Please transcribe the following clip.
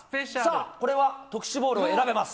これは、特殊ボールを選べます。